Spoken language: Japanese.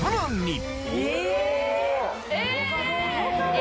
え！